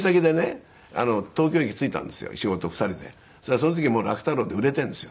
その時もう楽太郎で売れているんですよ。